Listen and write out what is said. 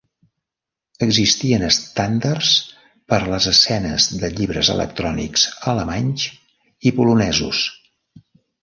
Existien estàndards per a les escenes de llibres electrònics alemanys i polonesos.